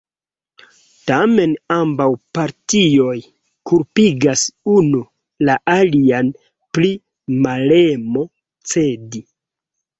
Tamen ambaŭ partioj kulpigas unu la alian pri malemo cedi.